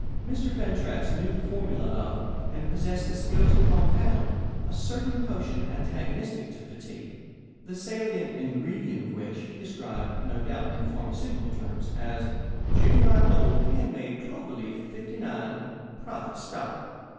Mr. Fentress knew the formula of, and possessed the skill to compound, a certain potion antagonistic to fatigue, the salient ingredient of which he described (no doubt in pharmaceutical terms) as "genuine old hand made Clover Leaf '59, Private Stock."